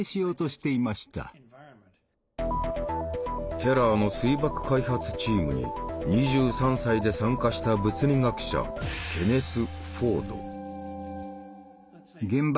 テラーの水爆開発チームに２３歳で参加した物理学者ケネス・フォード。